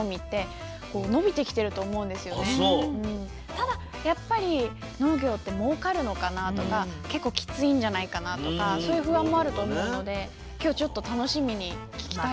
ただやっぱり農業ってもうかるのかなとか結構きついんじゃないかなとかそういう不安もあると思うので今日ちょっと楽しみに任せて下さい。